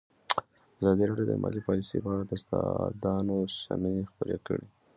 ازادي راډیو د مالي پالیسي په اړه د استادانو شننې خپرې کړي.